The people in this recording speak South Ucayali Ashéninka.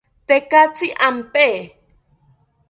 Tekatzi ampe